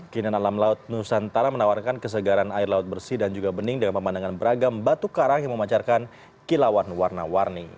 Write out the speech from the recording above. kinian alam laut nusantara menawarkan kesegaran air laut bersih dan juga bening dengan pemandangan beragam batu karang yang memancarkan kilauan warna warni